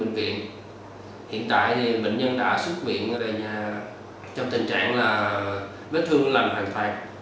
sau đó bệnh nhân đã xuất biện trong tình trạng vết thương lành hoàn toàn